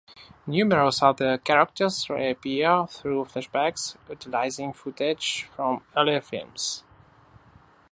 Numerous other characters re-appear through flashbacks utilizing footage from earlier films.